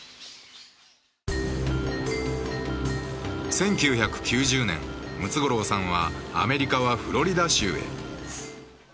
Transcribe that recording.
１９９０年ムツゴロウさんはアメリカはフロリダ州へ。